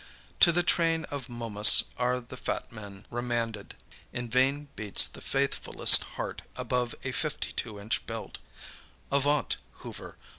To the train of Momus are the fat men remanded. In vain beats the faithfullest heart above a 52 inch belt. Avaunt, Hoover!